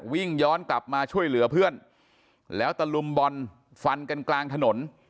วิ่งย้อนกลับมาช่วยเหลือเพื่อนแล้วตะลุมบอลฟันกันกลางถนน